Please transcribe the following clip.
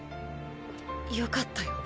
よかったよ